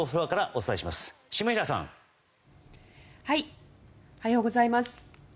おはようございます。